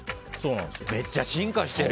めっちゃ進化してる！